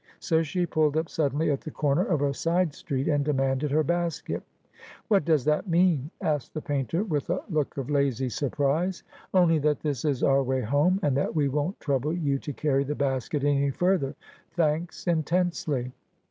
So she pulled up suddenly at the corner of a side street, and demanded her basket. ' What does that mean ?' asked the painter, with a look of lazy surprise. ' Only that this is our way home, and that we won't trouble you to carry the basket any further, thanks intensely.'